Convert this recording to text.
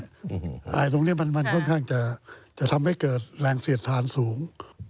อาหารตรงนี้มันมันค่อนข้างจะจะทำให้เกิดแรงเสียดฐานสูง